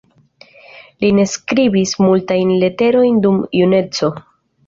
Li ne skribis multajn leterojn dum juneco.